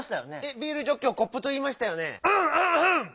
「ビールジョッキ」を「コップ」といいましたよね。